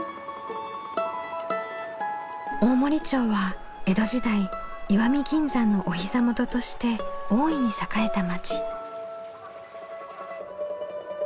大森町は江戸時代石見銀山のお膝元として大いに栄えた町。